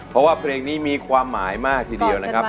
เพราะว่าเพลงนี้มีความหมายมากทีเดียวนะครับ